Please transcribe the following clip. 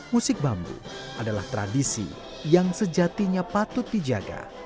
musik bambu adalah tradisi yang sejatinya patut dijaga